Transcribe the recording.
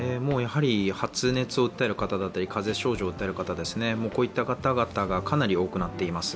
発熱を訴える方、風邪症状を訴える方、こういった方々がかなり多くなっています。